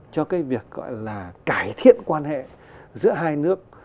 cho cái việc gọi là cải thiện quan hệ giữa hai nước